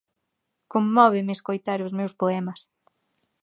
Conmóveme escoitar os meus poemas.